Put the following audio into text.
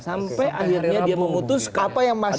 sampai akhirnya dia memutuskan